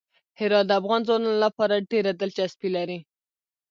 هرات د افغان ځوانانو لپاره ډېره دلچسپي لري.